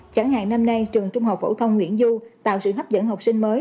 chẳng hạn năm nay trường trung học phổ thông nguyễn du tạo sự hấp dẫn học sinh mới